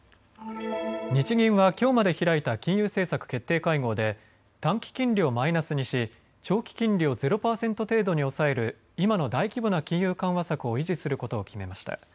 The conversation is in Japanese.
日銀はきょうまで開いた金融政策決定会合で短期金利をマイナスにし長期金利をゼロ％程度に抑える今の大規模な金融緩和策を維持することを決めました。